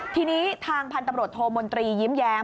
ทีนี้ทางพันธุ์ตำรวจโทมนตรียิ้มแย้ม